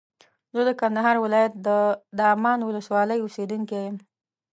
زه د کندهار ولایت د دامان ولسوالۍ اوسېدونکی یم.